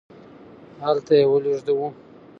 هلته یې ولیږدوو.